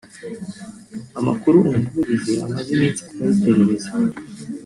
Amakuru Umuvugizi umaze iminsi ukoraho iperereza